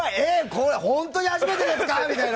これ、本当に初めてですかって。